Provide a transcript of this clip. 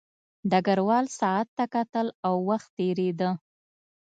ډګروال ساعت ته کتل او وخت تېرېده